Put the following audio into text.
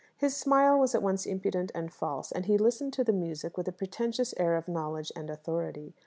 His smile was at once impudent and false, and he listened to the music with a pretentious air of knowledge and authority.